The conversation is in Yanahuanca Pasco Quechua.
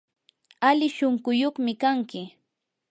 ali shunquyuqmi kanki.